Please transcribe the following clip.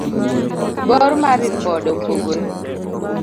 bor mar ripode opogore